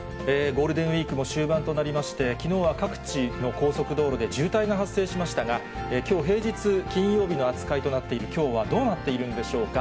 ゴールデンウィークも終盤となりまして、きのうは各地の高速道路で渋滞が発生しましたが、きょう、平日金曜日の扱いとなっているきょうはどうなっているんでしょうか。